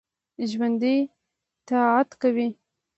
ژوندي طاعت کوي